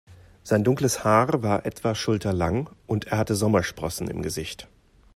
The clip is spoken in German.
Sein dunkles Haar war etwa schulterlang und er hatte Sommersprossen im Gesicht.